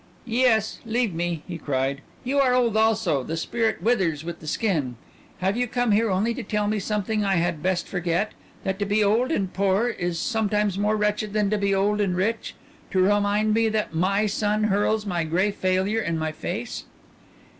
"Yes, leave me!" he cried. "You are old also; the spirit withers with the skin. Have you come here only to tell me something I had best forget: that to be old and poor is perhaps more wretched than to be old and rich; to remind me that my son hurls my gray failure in my face?"